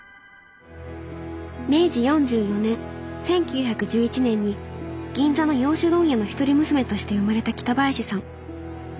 明治４４年１９１１年に銀座の洋酒問屋の一人娘として生まれた北林さん。